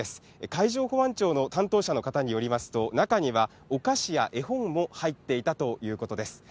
海上保安庁の担当者の方によりますと、中にはお菓子や絵本も入っていたということです。